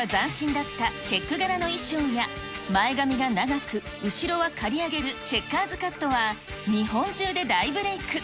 当時としては斬新だったチェック柄の衣装や、前髪が長く、後ろは刈り上げるチェッカーズカットは日本中で大ブレーク。